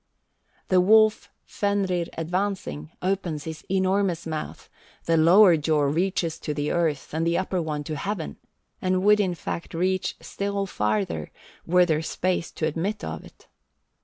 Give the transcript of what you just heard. "The wolf Fenrir advancing, opens his enormous mouth; the lower jaw reaches to the earth, and the upper one to heaven, and would in fact reach still farther were there space to admit of it.